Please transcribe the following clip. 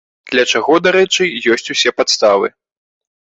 Для чаго, дарэчы, ёсць усе падставы.